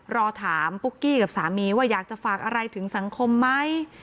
รอถามปุ๊กกี้กับสามีว่าอยากจะฝากอะไรถึงสังคมไหม